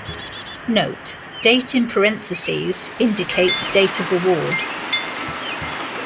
"Note: date in parentheses indicates date of award"